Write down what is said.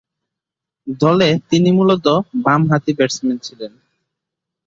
দলে তিনি মূলতঃ বামহাতি ব্যাটসম্যান ছিলেন।